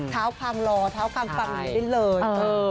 เท้าความรอเท้าความฟังอยู่ได้เลย